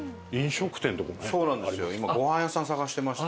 今ごはん屋さん探してまして。